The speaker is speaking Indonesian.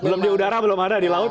belum di udara belum ada di laut